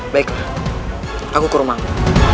baiklah aku ke rumahku